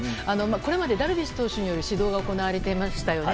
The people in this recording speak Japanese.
これまでダルビッシュ投手による指導が行われていましたよね。